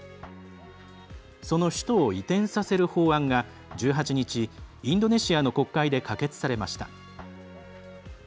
その首都を移転させる法案が１８日、インドネシアの国会で可決されました。